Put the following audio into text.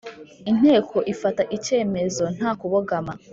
Inteko ifata icyemezo nta kubogama